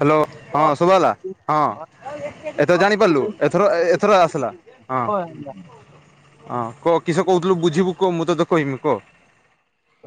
Hello ହଁ ସୁଭାଲା ଏଇଟା ହଁ ଏଥର ଜାଣିପାରିଲୁ କହୁଥିଲି ଏଥର ଏଥର ଆସିଲା ହଁ ନା ହଁ କହ କିସ କହୁଥିଲୁ ବୁଝିବୁ କହ ମୁଁ ତତ କହମି କହ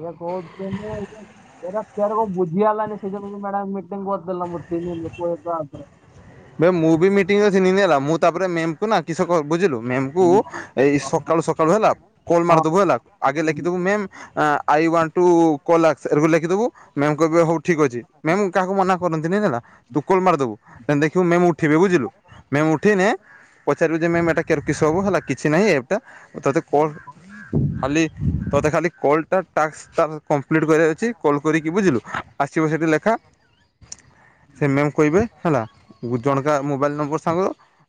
ଏୟା କହୁଥିନି ଏଇଥି ପାଇଁ ଏରା କୋର ବୁଝି ହେଲାନି ସେ ସଜନ ମ୍ୟାଡାମ ମିଟିଙ୍ଗ ଗଉଦଲ ମର୍ତି ଲ [unintelligible] ଭାଇ ମୁଁ ବି ମିଟିଂ ଅଛି ନିେ ହେଲା ମୁଁ ତାପରେ ମେ କୁନା କିଷକ ବୁଝିଲୁ ମେମ୍ କୁ ହଁ ଏଇ ସକାଳୁ ସକାଳୁ ହେଲା କଲ ହଁ ମାରିଦବୁ ହେଲା ଆଗେ ଲେଖିଦବୁ ମେମ୍ ଆ ଆଇ ଓନେଟ୍ ଟୁ [unintelligible] ରୁ ଲେଖିଦବୁ ମ୍ୟମ୍ କହିବ ହଉ ଠିକ ଅଛି ମ୍ୟମ୍ କାହାକୁ ମନା କରନ୍ତି ନାଇଁଲା ତୁ କୋଲ୍ମାରିଦବୁ ଦେଖିବୁ ମେମ୍ ଉଠିବେ ବୁଝିଲୁ ମେମ୍ ଉଠେଇନେ ପଚାରିବୁ ଯେ ମେମେ ଏଟା କେର କିସ ହବୁ ହେଲା କିଛି ନାହିଁ ଏଇଟା ତୋତେ କଣ ଖାଲି ତୋତେ ଖାଲି କଲଟା ଟାସ୍କ ତା କମ୍ପ୍ଲିଟ କରିବାର ଅଛି କଲ୍ କରିକି ବୁଝିଲୁ ଆସିବ ସେଇଠି ଲେଖା ସେ ମ୍ୟମ୍ କହିବେ ହେଲା ଜଣକା ମୋବାଇଲ୍ ନମ୍ବର ସାଙ୍ଗ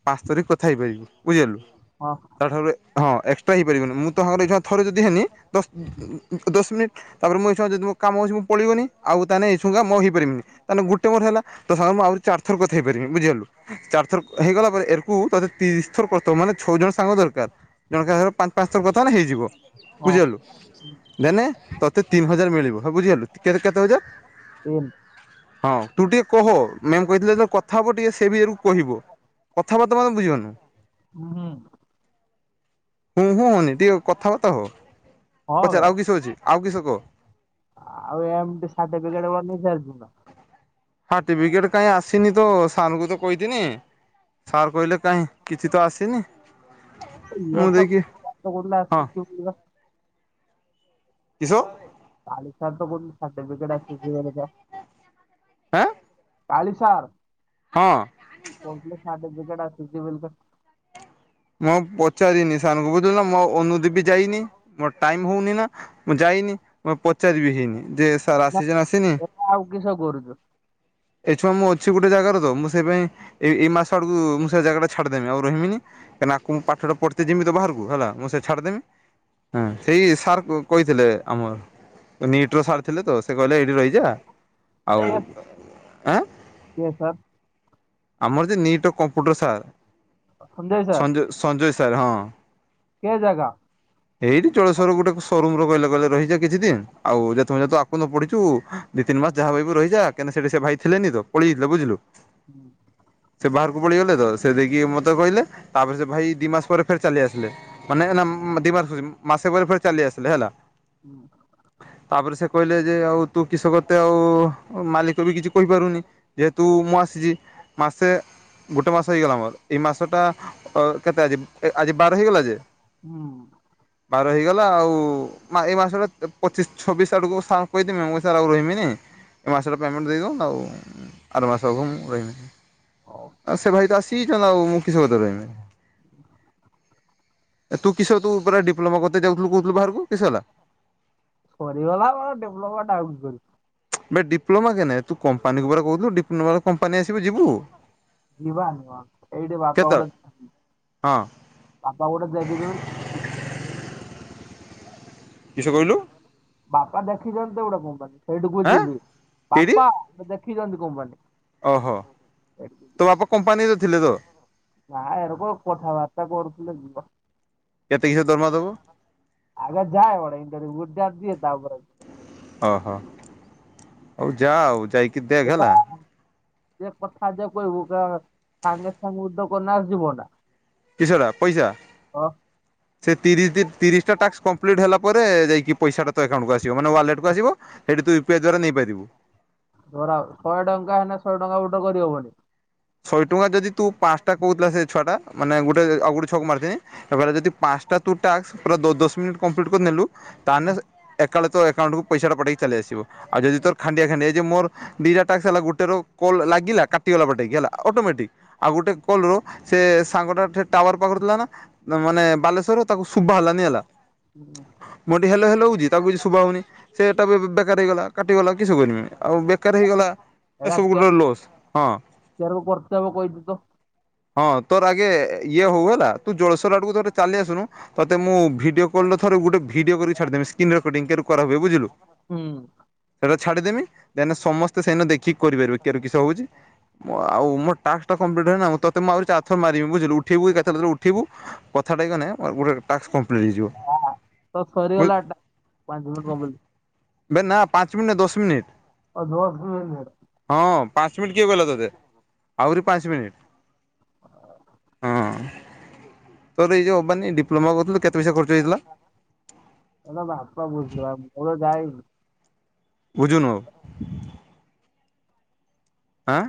ପାଞ୍ଚ ତରଖ କଥା ହେଇପାରିବୁ ବୁଝିଲୁ ହ ତାଠାରୁ ହଁ ଏକ୍ସଟ୍ରା ହେଇପାରିବନି ମୁଁ ତ ତାଙ୍କର ଏ ଥରେ ଯଦି ହେନି ଦଶ ଦଶ ମିନିଟ୍ ତାପରେ ମୁଁ ଏଇଶୁ ନା ଯଦି ମୋ କାମଅଛି ମୁଁ ପଳିଗନି ଆ ତାହେଲେ ଏଇସୁାଁହେଇପାରିବିନି ତାହେଲେ ଗୋଟେ ମୋର ହେଲା ତ ସାଙ୍ଗରେ ମୁ ଆହୁରି ଚାରି ଥର କଥା ହେଇପାରିବି ବଝିଗଲୁ ଚାରି ଥର ହେଇଗଲା ପରେ ଏରକୁ ତେ ତିରିଶ ଥର କରି ମାନେ ଛଅ ଜଣ ସାଙ୍ଗ ଦରକାର ଜଣଙ୍କର ପାଞ୍ଚ ପାଞ୍ଚ ଥର କଥା ହେଲେ ହେଇଯିବ ହଁ ବୁଝିଗଲୁ ଦେନେ ତୋତେ ତିନି ହଜାର ମିଳିବ ହ ବୁଝିଗଲୁ କେ କେତେ ହଜାର ସେ [unintelligible] ହଁ ତୁ ଟିକେ କହ ମ୍ୟମ କହିଥିଲେ ତ କଥା ହେବ ଟିକେ ସେ ବିଇଏରୁ କହିବ କଥାବାର୍ତ୍ତା ମାନେ ବୁଝିପାରୁନୁ। ହୁଁ ହୁଁ। ହୁଁ ହୁଁ ହୋନି ଟିକେ କଥାବାର୍ତ୍ତା ହୋଅ ହଁ ବେ ପଚାର ଆଉ କିସ ଅଛି। ଆଉ କିସ କହ? ଆଉ ଏମିତି ଶାଠି ପିକେଟ୍ ବନେଚାଲି ଥିବ। ହଁ ସାର୍ଟିଫିକେଟ କାଇହିଁ ଆସିନି ତ ସାରଙ୍କୁ ତ କହିଥିନି। ସାର୍ କହିଲେ କାହିଁ କିଛି ତ ଆସିନି। ଇଏ ମୁଁ ତ ଦେଇକି କୋଉ ଦିନ ହଁ ଆସିଥିବ ବୁଝିଲ। କିସ ଚାଲିଠାରୁ ତ କୋଚନ୍ତି ସର୍ଟିଫିକେଟ ଆସିଛି ଭାରିତ। ଆଁ ର୍କାଳି ସାର୍। ହଁ। କୋଉଥିଲେ ସାର୍ଟଟିଫିକେଟ ଆଛି ବୋଲିତ। ମୁଁ ପଚାରିନି ସାର୍ ଙ୍କୁ ବୁଝିଲ ନା ମୋ ଅନୁଦେଇ ବି ଯାଇନି ମୋର ଟାଇମ ହୋଉନାଇଁ ନା। ମୁଁ ଯାଇନି ମୁଁ ପଚାରି ସିମିତି ଯେ ସାର୍ ଆସିଛି ନା ଆସିନି। ଏଇଟା ଆଉ କିସ କରୁଛୁ? ଏଠୁ ଅଛୁ ଆମେ ଗୋଟେ ଜାଗାର ତ ମୁଁ ସେଇ ପାଇଁ ଏଇ ଏଇ ମାସ ଆଡକୁ ମୁଁ ସେ ଜାଗା ଟା ଛାଡିଦେମି ଆଉ ରହିବିନି। କାହିଁକି ନା ମୁଁ ଆକୁ ପାଠଟା ପଢିତେ ଜିମି ତ ବାହାରକୁ ହେଲା ମୁଁ ସେ ଛାଡ଼ିଦେମି ହଁ ସେଇ ସାର୍ କହିଥିଲେ ଆମର ନିଟ୍ ର ସାର୍ ଥିଲେ ତ ସେ କହିଲେ ଏଇଠି ରହିଯା ଆଉ କିଏ ଆଁ କିଏ ସାର୍? ଆମର ଯେ ନିଟ୍ ତ କମ୍ପୁଟର ସାର୍ ସଞ୍ଜୟ ସାର୍? ସଜୟ ସଜୟ ସାର ହଁ। ହଁ କିଏ ଜାଗା? ଏଇଠି ଜଳେସ୍ୱରେ ଗୋଟେ ସୋରୁମ ର କହିଲେ କହିଲେ ରହିଯା କିଛି ଦିନ ଆଉ ଯେହେତୁ ଆଗକୁ ନ ପଢିଛୁ ଦି ତିନି ମାସ ଯାହା ରହିବୁ ରହିଜା କାହିଁକିନା ସେ ଭାଇ ଥିଲେ ନି ତ ପଳେଇାଇଥିଲେ ବୁଝିଲୁ? ହୁଁ। ସେ ବାହାରକୁ ପଳେଇଗଲେ ତ ସେ ଦେଇକି ମତେ କହିଲେ ତାପରେ ସେ ଭାଇ ଦି ମାସେ ପରେ ଫେରେ ଚାଲି ଆସିଲେ। ମାନେ ନା ଦିମାସେ କୋଉଚି ମାସେ ପରେ ଫେରେ ଚାଲି ଆସିଲେ ହେଲା। ହୁଁ। ତାପରେ ସେ କହିଲେ ଯେ ଆଉ ତୁ କିସକରତେ ଆଉ ମାଲିକ ବି କିଛି କହିପାରୁନି। ଯେହେତୁ ମୁଁ ଆସିଛି ମାସେ ଗୋଟେ ମାସ ହେଇଗଲା ମୋର ଏଇ ମାସଟା କେତେ ଆଜି ଆଜି ବାର ହେଇଗଲା ଯେ? ହୁଁ। ବାର ହେଇଗଲା ଆଉ ଏଇ ମାସଟା ପଚିଶି ଛବିଶି ଆଡକୁ ସାରଙ୍କୁ କହିଦେମି ମୁଁ ସାରେ ଆଉ ରହମିନି ଏ ମାସର ପେମେଣ୍ଟ ଦେଇଦିଅନ୍ତୁ ଆଉ ଆର ମାସ ବେଳକୁ ମୁଁ ରହିବିନି। ହଉ ଆ ସେ ଭାଇ ତ ଆସିିଚି ଆଉ ମୁଁ କିଷ କତିରେ ରହିମି। ଏ ତୁ କିସ ତୁୁପରା ଡିପ୍ଲମା କରିତେ ଯାଉଥିଲୁ କହୁଥିଲୁ ବାହାରକୁ କିସ ହେଲା? ସରିଗଲା ଡେଭଲପମଣ୍ ଆଉଛି [unintelligible] ଇବେ ଡିପ୍ଲୋମା କେ ନଁ ତୁ କମ୍ପାନୀକୁ ପରା କହୁଥିଲୁ ଡି୍ପ୍ଳୋମାରୁ କମ୍ପାନୀ ଆିସିବ ଯିବୁ? ଯିବା ଜିବା ଏଇଠି ବାପା କେତେବେଳେ? ଗୋଟେ ଜାଗା ହଁ। ବାପା ଗୋଟେ ଦେଖିଛନ୍ତି। କିସ କହିଲୁ। ବାପା ଦେଖିଛନ୍ତି ଗୋଟେ କମ୍ପାନୀ ସେଇଠିକୁ ଆଁ ଯିବି କେଇଠି ବାପା ଦେଖିଛନ୍ତି କମ୍ପାନୀ। ଓହୋ ତୋ ବାପା କମ୍ପାନୀରେ ଥିଲେ ତ। ନା ଏର କ କଥାବାର୍ତ୍ତା କରୁଥିଲେ ଯିବା। କେତେ କିସ ଦରମା ଦବ? ଆଗେ ଯାଏ ଗୋଟେ ଇଣ୍ଟର୍ଭ୍ୟୁ ଗୋଟେ ଦିଏ ତା ପରେ ଓହୋ ହଉ ଯା ଆଉ ଯାଇକି ଦେଖ ହେଲା। ଏ କଥା ଯ କହିବୁ ସାଙ୍ଗେ ସାଙ୍ଗେ ଉଦ୍ୟ କନା ଯିବ ନା। କିସ ରା ପଇସା। ସେ ତିରିଶ ତିରିଶଟା ଟାସ୍କ କମ୍ପ୍ଲିଟ୍ ହେଲା ପରେ ଯାଇକି ପଇସାଟା ତ ଏକାଉଣ୍ଟକୁ ଆସିବ ମାନେ ୱାଲେଟ୍ କୁ ଆସିବ। ସେଠି ତୁୟଇିଇ ଦ୍ଵା ନେଇପାରିବୁ [unintelligible] ଧର ଶହେ ଟଙ୍କା ହେନେ ଶହେ ଟଙ୍କା ଉଡ୍ରୋ କରି ହବନି। ଶହେ ଟଙ୍କା ଯଦି ତୁ ପାଞ୍ଚଟା କହୁଥିଲା ସେ ଛୁଆଟା ମାନେ ଗୋଟେ ଆଉ ଗୋଟେ ଛୁଆକୁ ମାରିଦିଏ ଏ ଯଦି ପାଞ୍ଚଟା ପୁରା ଟାସ୍କ ଦଶ ମିନିଟି କଂପ୍ଲିଟ୍ କରିନେଲୁ ତାହେଲେ ଏକାଉଣ୍ଡ ତ ଏକାଉଣ୍ଟକୁ ପଇସାଟା ପଠେଇକି ଚାଲି ଆସିବ ଆଉ ଯଦି ତୋର ଖାଣ୍ଡିଆ ଖାଣ୍ଡିଆ ହେଇଯିବ ମୋର ଦିଟା ଟାକ୍ସ ହେଲା ଗୋଟେ ର କଲ୍ ଲାଗିଲା କାଟିଗଲା ପଟେଇକି ହେଲା। ଅଟୋମେଟିକ୍ ଆଉ ଗୋଟେ କଲର ସେ ସାଙ୍ଗଟା ଟାୱାର ପାଉନଥିଲା ନା ମାନେ ବାଲେଶ୍ଵର ତାକୁ ଶୁଭ ହେଲାନି ହେଲା। ହୁଁ। ମୁଁ ଏଠି ହେଲୋ ହେଲୋ ହେଉଛି ତାକୁ କିଛି ଶୁଭା ହେଉନି। ସେଟା ବି ବେକାର ହେଇଗଲା କାଟିଗଲା କିସୋ କରିବି ଆଉ ବେକାର ହେଇଗଲା। ଏଇଟା ଏସବୁ କେ ଗୋଟେ ଲସ୍ ହଁ କେର ବର୍ଷେ କହିଛୁ ତ। ହଁ ତୋର ଆଗେ ଇଏ ହଉ ହେଲା ତୁ ଜଳେଶର ଆଡକୁ ଥରେ ଚାଲି ଆସୁନୁ। ତତେ ମୁ ଭିଡିଓ କଲ ଥରେ ଗୋଟ ଭିଡିଓ କରିକ ଛାଡିଦବି ସ୍କ୍ରିିନ ରେକର୍ଡିଂ କେମିତି କରା ହଏ ବୁଝିଲୁ। ହୁଁ। ସେଇଟା ଛାଡିଦେମି ଦେନ ସମସ୍ତେ ସେଇନ ଦେଖିକି କରିପାରିବେ କିଶୋ ହଉଛି। ଆଉ ମୋ ଟାକ୍ସ ଟା କମ୍ପ୍ଲିଟ ଏଇନା ମୁଁ ତତେଁ ଆହୁ ଚାରିଥର ମାରିବି ବୁଝିଲି ଉଠିବୁ କେତେଟାରେ ଉଠିବୁ। କଥାଟା ହେଇଗନେ ଗୋଟେ ଟାସ୍କ କଂପ୍ଲିଟ୍ ହେଇଯିବ। ତ ସରିଗଲାଟା ପାଞ୍ଚ ମିନିଟ୍ କଂପ୍ଲିଟ୍। ବେ ନା ପାଞ୍ଚ ମିନିଟ ନୁହେଁ ଦଶ ମିନିଟ। ଆଉ [unintelligible] ହଁ ପାଞ୍ଚ ମିନିଟ୍ କିଏ କହିଲା ତୋତେ। ଆହୁରି ପାଞ୍ଚ ମିନିଟ୍। ହଁ ତୋର ଏଇ ଯେଉଁ ଅମ୍ବାନୀ ଡିପ୍ଲୋମା କରୁଥିଲୁ କେତେ ପଇସା ଖର୍ଚ୍ଚ ହେଇଥିଲା। ହେ ବାପା ବୁଝିଲ ମୁଁ କେବେ ଯାଇନି। ବୁଝୁନୁ। ଆଁ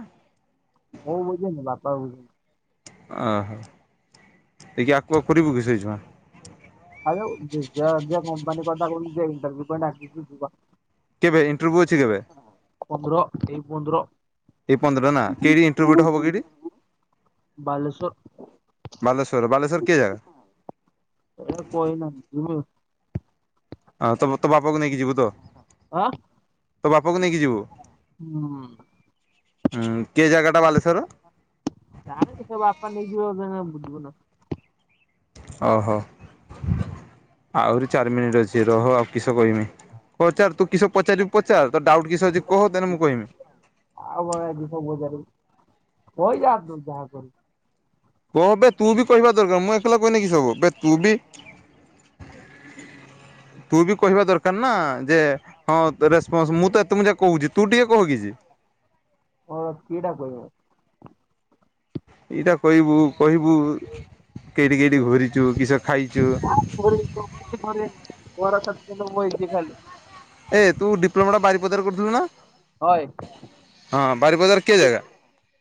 ମୁଁ ବୁଝେନି ବାପା ବୁଝନ୍ତି। ଓହୋ ଟିକେ ଆକୁଆ କରିବୁ କି ସେଇ ଛୁଆଁ। ଆ ଯିଏ କମ୍ପାନୀ କଥା କହୁଥିବ ସିଏ ଇଣ୍ଟର୍ଭ୍ୟୁ ପାଈଁ ଡାକିଛି କେବେ ଇଣ୍ଟରଭ୍ୟୁ ଅଛି କେବେ? ପନ୍ଦର ଏଇ ପନ୍ଦର। ଏଇ ପନ୍ଦର ନା କେଇଠି ଇଣ୍ଟରଭ୍ୟୁଟା ହବ କେଇଠି ବାଲେଶ୍ଵର। ବାଲେଶ୍ୱର ବାଲେଶ୍ଵର କି ଜାଗା। [unintelligible] ହଁ ତ ତୋ ବାପାକୁ ନେଇକି ଯିବୁ ତ? ହଁ। ତୋ ବାପାକୁ ନେଇକି ଯିବୁ? ହୁଁ କେ ଜାଗା ଟା ବାଲେଶ୍ଵର? ଜାଣିଛି ସେ ବାପା ନେଇଯିବେ ବୁଝି ପାରୁନ। ଓହୋ ଆହୁରି ଚାରି ମିନିଟ୍ ଅଛି ରହ ଆଉ କିସ କହିମି! ପଚାର ତୁ କିସ ପଚାରିବୁ ପଚାର ତ ଡାଉଟ କିସ ଅଛି କହ ଦେନେ ମୁଁ କହିମି। [unintelligible] କହବେ ତୁ ବି କହିବା ଦରକାର ମୁଁ ଏକଲା କହିନେ କିସ ହବ, ବେ ତୁ ବି ତୁ ବି କହିବା ଦରକାର ନା ଯେ ହଁ ରେପନ୍ସ ମୁଁ ତ ଏତେ ମୁଁ ଯା କହୁଛି ତୁ ଟିକେ କହ କିଛି। ହ କିଟା କହିବ? ଏଇଟା କହିବୁ କହିବୁ କେଇଠି କେଇଠି ଘୁରିଛୁ କିସ ଖାଇଛୁ। ଘୁରିବି କଣ? ଘରେ ବରଷା ଯେନ୍ତେ ବଇଚି ଖାଲି। ଏ ତୁ ଡିପ୍ଲୋମାଟା ବାରିପଦାରେ କରିଥିଲୁ ନା? ହଏ। ହଁ ବାରିପଦାର କେ ଜାଗା?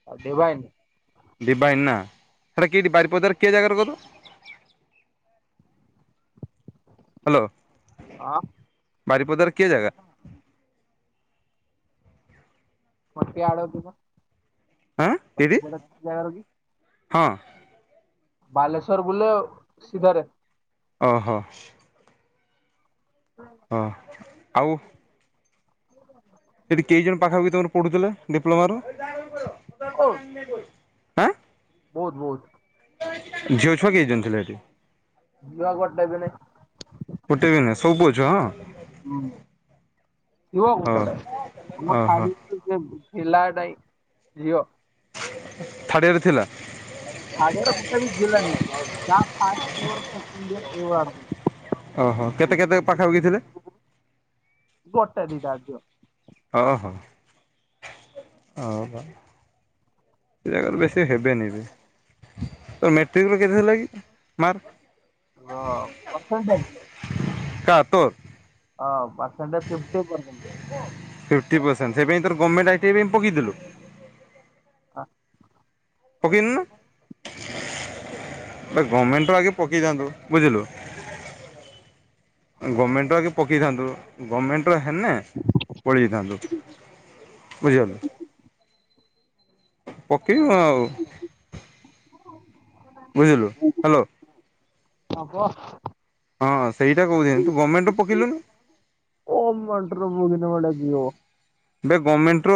ଆ ଡିଭାଇନ। ଡିଭାଇନ୍ ନା ସେଇଟା କେଇଠି ବାରିପଦାରେ କେ ଜାଗାରେ କରିଲୁ? ହ୍ୟାଲୋ ହଁ ବାରିପଦାରେ କେ ଜାଗା? ହଁ ଏଇଠି [unintelligible] ହଁ ବାଲେଶ୍ଵର ବୁଲ ସିଧାରେ। ଓହୋ! ହଁ ଆଉ ସେଠି କେଇ ଜଣ ପାଖା ପାଖି ତମର ପଢୁଥିଲେ ଡିପ୍ଲମାର? ଓ [inaudible] ବହୁତ ବହୁତ। ଝିଅ ଛୁଆ କେଇ ଜଣ ଥିଲେ ସେଠି? ଝିଅ ଗୋଟେ ବିି ନାଇ। ଗୋଟେ ବି ନାଇଁ ସବୁ ପୁଅ ଛୁଆ ହଁ! ଓ ଓହୋ [unintelligible] ଥାର୍ଡୟରରେ ଥିଲା? ଥାର୍ଡୟରରେ ଗୋଟେ ବି ଝିଲାନି। ଯାହା ଫାଷ୍ଟ ଇଅର ସେକେଣ୍ଡ ଇଅର ଏଇ ଭଳିଆ ଓହୋ କେତେ କେତେ ପାଖାପାଖି ଥିଲେ? ଗୋଟେ ଦିଟା ଟା ଝିଅ। ଓହୋ! ଓହୋ ସେ ଜାଗାରେ ବେଶୀ ହେବେନି ବି, ତୋ ମେ ଟ୍ରିକ୍ ରେ କେତେ ଥିଲା କି ମାର୍କ? ପରସେଣ୍ଟେଜ କାର୍ ତୋର୍? ହଁ percent fifty fifty percent percent. ସେଇ ପାଇଁ ତୋର ଗମେଣ୍ଟ୍ ଆ ଟି ଆଇ ପାଇଁ ପକେଇଥିଲୁ? ପକେଇ ନୁ ନା ଆବେ ଗମେଣ୍ଟ୍ ର ଆଗେ ପକେଇ ଥାନ୍ତୁ। ବୁଝିଲୁ। ଗମେଣ୍ଟ ର ଆଗେ ପକେଇଥାନ୍ତୁ ଗମେଣ୍ଟର ହେନେ ପଳେଇଯାଇଥାନ୍ତୁ ବୁଝିଗଲୁ। ପକେଇବୁ ଆଉ। ବୁଝିଲୁ ହ୍ୟାଲୋ ହଁ କହ। ହଁ ସେଇଟା କହୁଚି ତୁ ଗମେଣ୍ଟ୍ ର ପକେଇଲୁନି। ଗମେଣ୍ଟ୍ ର ମୁଁ ଯେମିତିଆ ଗୋଟେ [unintelligible] ଆବେ ଗମେଣ୍ଟ୍ ର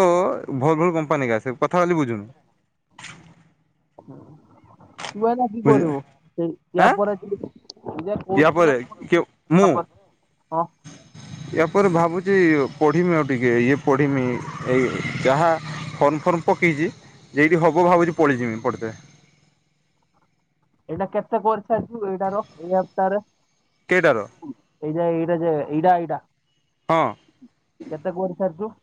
ଭଲ ଭଲ କମ୍ପାନୀ ଏକା ସେ କଥା ଖାଲି ବୁଝୁନୁ। ବୁଝି ଆଁ [unintelligible] ୟା ପରେ କିଏ ମୁଁ [unintelligible] ୟା ପରେ ଭାବୁଚି ପଢ଼ିମି ଆଉ ଟିକେ ଇଏ ପଢ଼ିମି ଏ ଯାହା ଫର୍ମ ଫର୍ମ ପକେଇଚି ଯେଇଠି ହବ ଭାବୁଚି ପଳେଇଯିମି ପଢିତେ। ଏଇନା କେତେ କରିସାରିଚୁ ଏଇଟାର ଏଇ ଆପ୍ ଟାରେ? କେଇଟାର? ଏଇ ଯା ଏଇଟା ଯେ ଏଇଟା ଏଇଟା। ହଁ। କେତେ କରି ସାରିଚୁ?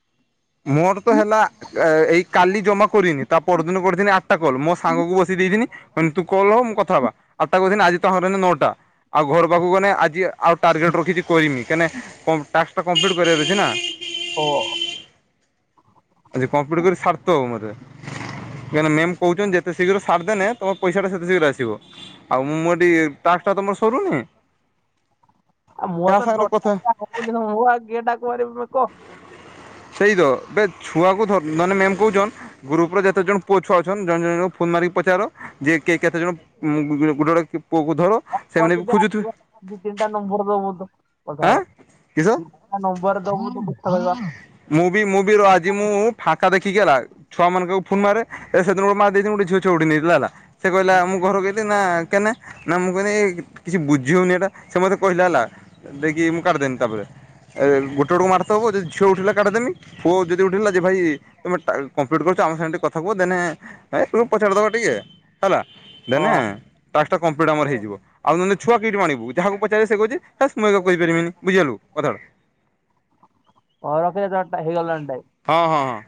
ମୋର ତ ହେଲା ଏ-ଏଇ କାଲି ଜମା କରିନି ତା ପରଦିନ କରିଥିନି ଆଠଟା କଲ ମୋ ସାଙ୍ଗକୁ ବସେଇ ଦେଇଥିନି [unintelligible] କଥା ମୁଁ ହବା [unintelligible] ଟା ଆଉ ଘର ପାଖକୁ ଗଲେ ଆଜି ଆଉ ଟାର୍ଗେଟ ରଖିଚି କରିମି କେନେ କଁ-ଟାକ୍ସ୍ ଟା କମ୍ପ୍ଲିଟ୍ କରିବାର ଅଛି ନା। ହୋ। ଆଜି କମ୍ପ୍ଲିଟ୍ କରି ସାରଥିବୁ [unintelligible] କାଇଁକିନା ମେମ୍ କହୁଚନ୍ତି ଯେତେ ଶୀଘ୍ର ସାରଦେନେ ତମ ପଇସା ଟା ସେତେ ଶୀଘ୍ର ଆସିବ। ଆଉ ମୁଁ ଏଠି ଟାସ୍କ୍ ଟା ତମର ସରୁନି। କାହା ସାଙ୍ଗରେ କଥା [unintelligible] ସେଇ ତ ବେ ଛୁଆକୁ [unintelligible] କହୁଛନ୍ ଗ୍ରୁପ୍ ର ଯେତେ ଜଣ ପୁଅ ଛୁଆ ଅଛନ୍ ଜଣ ଜଣଙ୍କୁ ଫୋନ୍ ମାରିକି ପଚାର। [unintelligible] ପୁଅକୁ ଧର। ହଁ ମୋର ସେମାନେ ବି ଯଦି ଖୋଜୁଥିବେ ଆସିବ ଦି ତିନିଟା ନମ୍ବର ଦବୁ ତ କଥା ଆଁ ହବା। କିସ [unintelligible] ମୁଁ ବି ମୁଁ ବି ର ଆଜି ମୁଁ ଫାଙ୍କା ଦେଖିକି ହେଲା ଛୁଆମାନଙ୍କୁ ଫୋନ୍ ମାରେ ଏ ସେଦିନ [unintelligible] [unintelligible] ସେ କହିଲା ମୁଁ ଘରକୁ କହିଲି ନା କେନେ ନା ମୁଁ କହିଲି କିଛି ବୁଝିହଉନି ଏଇଟା ସେ ମୋତେ କହିଲା ହେଲା ଦେଇକି ମୁଁ କାଟିିଦେନି ତାପରେ। [unintelligible] [unintelligible] ହଁ ଟାସ୍କ୍ ଟା କମ୍ପ୍ଲିଟ୍ ଆମର ହେଇଯିବ ଆଉ ନହଲେ ଛୁଆ [unintelligible] ଯାହାକୁ ପଚାରିଲେ ସେ କହୁଚି ହେସ୍ ମୁଁ ଏବେ କରିପାରିବିନି ବୁଝିଗଲୁ କଥାଟା। ଅରଖ [unintelligible] ହଁ ହଁ ହଁ।